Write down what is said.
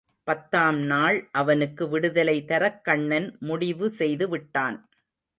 பத்தாம் நாள் அவனுக்கு விடுதலை தரக் கண்ணன் முடிவு செய்துவிட்டான்.